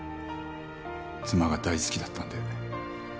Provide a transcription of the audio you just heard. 妻が大好きだったんで。